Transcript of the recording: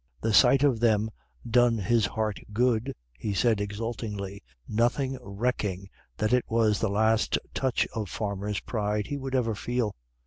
The sight of them 'done his heart good,' he said, exultantly, nothing recking that it was the last touch of farmer's pride he would ever feel.